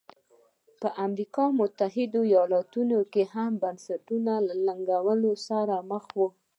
په امریکا متحده ایالتونو کې هم بنسټونه له ننګونو سره مخ وو.